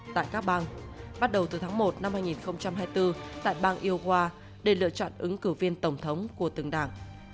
tại các bang bắt đầu từ tháng một năm hai nghìn hai mươi bốn tại bang iowa để lựa chọn ứng cử viên tổng thống của từng đảng